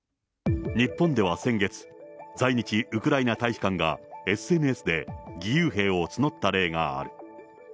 日本では先月、在日ウクライナ大使館がＳＮＳで、義勇兵を募った例がある。